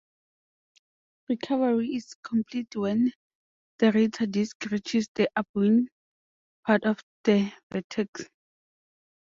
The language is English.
Recovery is complete when the rotor disc reaches the upwind part of the vortex.